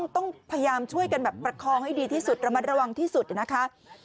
ต้องพยายามช่วยกันแบบประคองให้ดีที่สุดระมัดระวังที่สุดนะคะ